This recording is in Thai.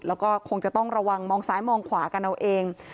แล้วก็คงจะต้องระวังมองซ้ายมองขวากันเอาเอง